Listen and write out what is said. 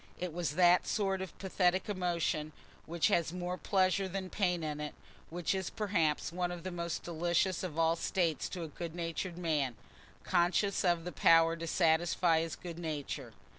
It was that sort of pathetic emotion which has more pleasure than pain in it—which is perhaps one of the most delicious of all states to a good natured man, conscious of the power to satisfy his good nature.